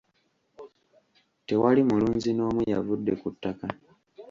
Tewali mulunzi n'omu yavudde ku ttaka.